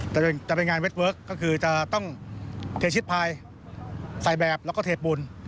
จะเป็นจะเป็นงานคือจะต้องเทชิทพายใส่แบบแล้วก็เทปุ่น